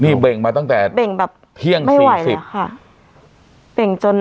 นี่เบ่งมาตั้งแต่เบ่งแบบเที่ยงสี่สิบค่ะเบ่งจน